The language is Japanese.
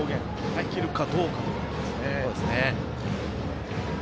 できるかどうかですね。